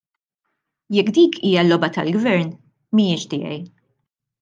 Jekk dik hija l-logħba tal-Gvern mhijiex tiegħi.